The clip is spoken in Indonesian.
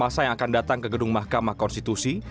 masa yang akan datang ke gedung mahkamah konstitusi